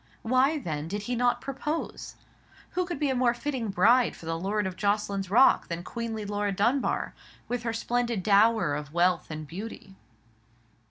Why, then, did he not propose? Who could be a more fitting bride for the lord of Jocelyn's Rock than queenly Laura Dunbar, with her splendid dower of wealth and beauty?